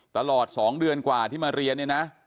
ตลอด๒เดือนกว่าที่มาเรียนเนี่ยนะ